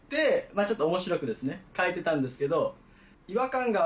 ちょっと面白く描いてたんですけど。